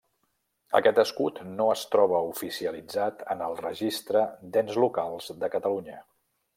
Aquest escut no es troba oficialitzat en el Registre d'ens locals de Catalunya.